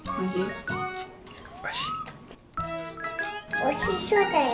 おいしそうだよ。